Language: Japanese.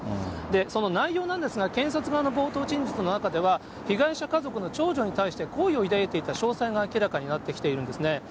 その内容なんですが、検察側の冒頭陳述の中では、被害者家族の長女に対して好意を抱いていた詳細が明らかになってきているんですね。